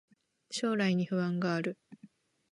将来に不安がある